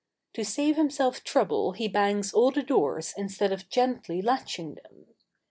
To save himself trouble he bangs all the doors instead of gently latching them.